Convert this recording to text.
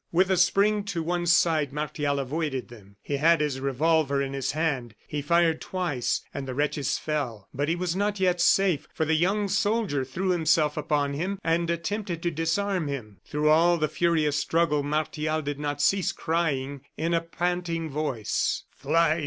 With a spring to one side, Martial avoided them. He had his revolver in his hand; he fired twice and the wretches fell. But he was not yet safe, for the young soldier threw himself upon him, and attempted to disarm him. Through all the furious struggle, Martial did not cease crying, in a panting voice: "Fly!